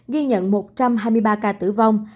ghi nhận một trăm hai mươi ba ca tử vong